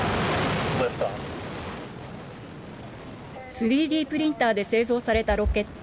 ３Ｄプリンターで製造されたロケット、